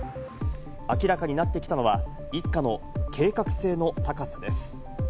明らかになってきたのは一家の計画性の高さです。